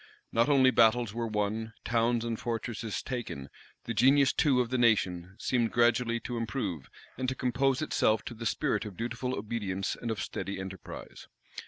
Not only battles were won, towns and fortresses taken; the genius too of the nation seemed gradually to improve, and to compose itself to the spirit of dutiful obedience and of steady enterprise.